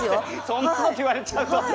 そんなこと言われちゃうと。